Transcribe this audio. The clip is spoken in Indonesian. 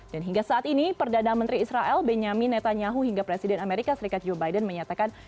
dan hingga saat ini perdana menteri israel benjamin netanyahu hingga presiden amerika serikat joe biden menyatakan